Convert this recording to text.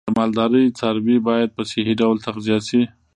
د مالدارۍ څاروی باید په صحی ډول تغذیه شي.